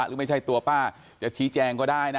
หรือไม่ใช่ตัวป้าจะชี้แจงก็ได้นะ